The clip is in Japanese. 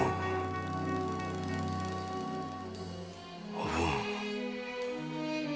おぶん。